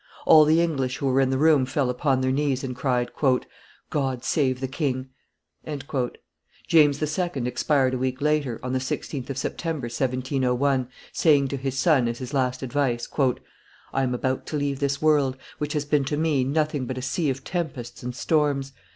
All the English who were in the room fell upon their knees, and cried, "God save the king!" James II. expired a week later, on the 16th of September, 1701, saying to his son, as his last advice, "I am about to leave this world, which has been to me nothing but a sea of tempests and storms.